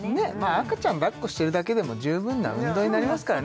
赤ちゃん抱っこしてるだけでも十分な運動になりますからね